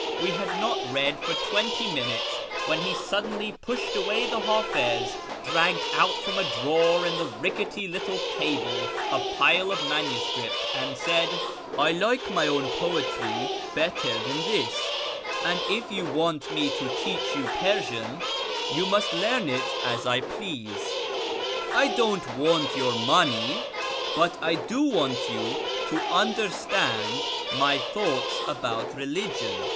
We had not read for twenty minutes when he suddenly pushed away the Hdfiz, dragged out from a drawer in the rickety little table a pile of manuscript, and said, " I like my own poetry better than this, and if you want me to teach you Persian you must learn it as I x^lease. I don't want your money, but I do want you to understand my thoughts about religion.